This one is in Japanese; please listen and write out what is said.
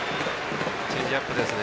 チェンジアップですね。